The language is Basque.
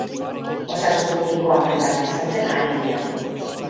Osasun publikoa pribatizatzen ari dira.